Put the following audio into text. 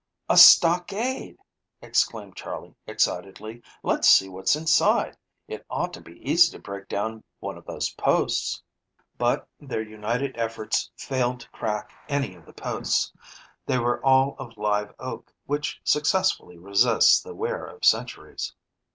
"A stockade!" exclaimed Charley excitedly. "Let's see what's inside. It ought to be easy to break down one of those posts." But their united efforts failed to crack any of the posts. They were all of live oak, which successfully resists the wear of centuries.